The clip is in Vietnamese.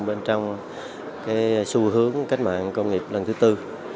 bên trong xu hướng cách mạng công nghiệp lần thứ tư